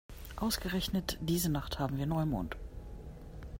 Ausgerechnet diese Nacht haben wir Neumond.